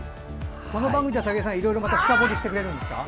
この番組で武井さんいろいろ深掘りしてくれるんですか。